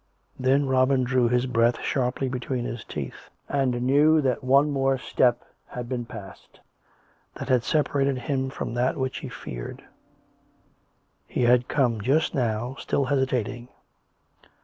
Then Robin drew his breath sharply between his teeth; and knew that one more step had been passed, that had separated him from that which he feared. ... He had come just now, still hesitating.